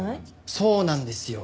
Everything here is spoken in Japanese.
そうなんですよ。